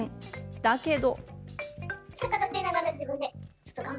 だけど。